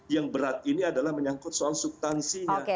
yang berat ini adalah menyangkut soal subtansinya